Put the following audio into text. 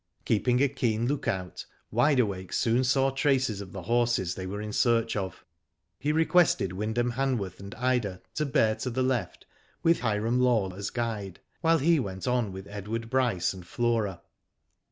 Keeping a keen look out, Wide Awake soon saw traces of the horses they were in search of. He requested Wyndham Hanworth and Ida, to bear to the left with Hiram Law as guide, while he went on with Edward Bryce and Flora.